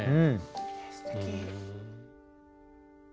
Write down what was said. すてき。